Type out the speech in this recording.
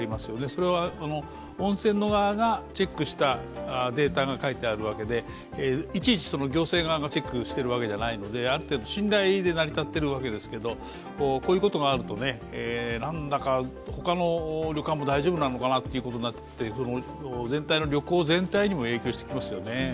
それは、温泉側がチェックしたデータが書いてあるわけでいちいち行政側がチェックしているわけではないのである程度信頼で成り立っているわけですけど、こういうことがあるとなんだか他の旅館も大丈夫なのかなということになってきて全体にも影響してきますよね。